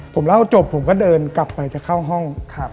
ผมเล่าจบผมก็เดินกลับไปจะเข้าห้อง